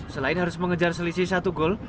selain harus mengejar selisih satu gol